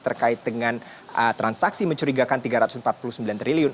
terkait dengan transaksi mencurigakan rp tiga ratus empat puluh sembilan triliun